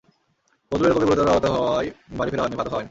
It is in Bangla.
বদরুলের কোপে গুরুতর আহত হওয়ায় বাড়ি ফেরা হয়নি, ভাতও খাওয়া হয়নি।